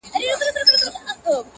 ښه اخلاق د شخصیت ښکلا ده.